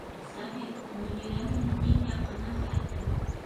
Сабир, Мөнирә минең иң яҡын әхирәтем.